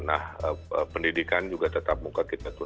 nah pendidikan juga tetap muka